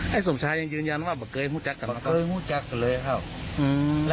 พูดงับว่าไหนหึเพราะว่าลูกไม่ตายหรอ